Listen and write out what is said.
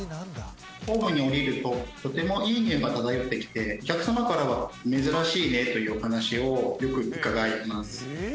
ホームに降りるととてもいいにおいが漂ってきてお客様からは珍しいねというお話をよく伺います。